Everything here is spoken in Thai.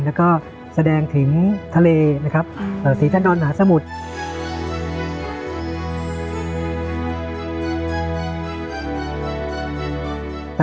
และก็แสดงถึงทะเลนะครับศรีทะนอนหาสมุทธ์